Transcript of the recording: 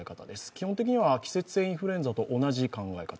基本的には季節性インフルエンザと同じ考え方。